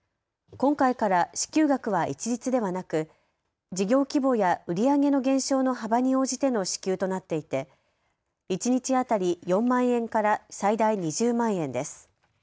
今回から支給額は一律ではなく事業規模や売り上げの減少の幅に応じての支給となっていて一日当たり４万円から最大２０万円です。